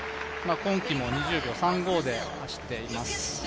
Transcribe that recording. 今季も２０秒３５で走っています。